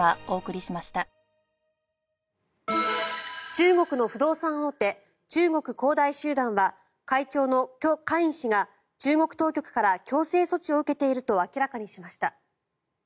中国の不動産大手中国恒大集団は会長のキョ・カイン氏が中国当局から強制措置を受けていると明らかにしました。